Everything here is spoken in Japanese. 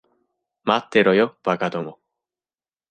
待ってろよ、馬鹿ども。